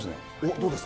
どうですか？